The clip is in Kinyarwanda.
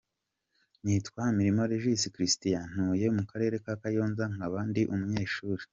Nitwa Mirimo Regis Christian, ntuye mu karere ka Kayonza, nkaba ndi umunyeshuri “.